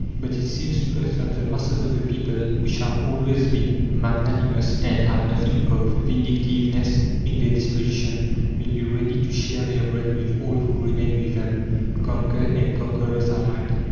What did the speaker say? But it seems to us that the masses of the people, which have always been magnanimous, and have nothing of vindictiveness in their disposition, will be ready to share their bread with all who remain with them, conquered and conquerers alike.